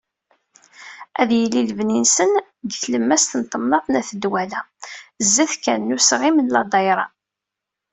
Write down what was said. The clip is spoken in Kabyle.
Ad d-yili lebni-nsen deg tlemmast n temnaḍt n At Ddwala, sdat kan n usɣim n ladayṛa.